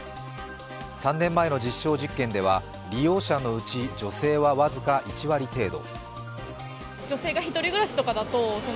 ３年前の実証実験では利用者のうち女性は僅か１割程度。